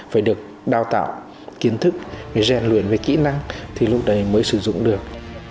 phải được đào tạo kiến thức gian luyện với kỹ năng thì lúc đấy mới sử dụng được